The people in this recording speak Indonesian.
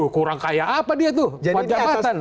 kurang kaya apa dia tuh empat jabatan